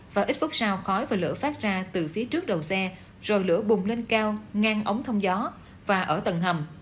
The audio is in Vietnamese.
và ít phút sau khói và lửa phát ra từ phía trước đầu xe rồi lửa bùng lên cao ngang ống thông gió và ở tầng hầm